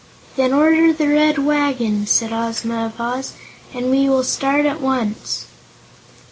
"Then order the Red Wagon," said Ozma of Oz, "and we will start at once."